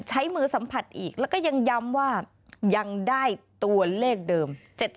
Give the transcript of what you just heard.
ใช้มือสัมผัสอีกแล้วก็ยังย้ำว่ายังได้ตัวเลขเดิม